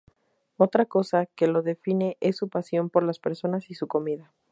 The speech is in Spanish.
Otra cosa que le define es su pasión por las personas y su comida.